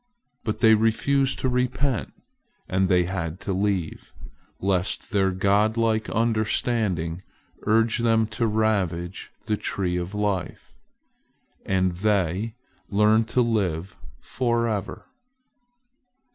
But they refused to repent, and they had to leave, lest their godlike understanding urge them to ravage the tree of life, and they learn to live forever.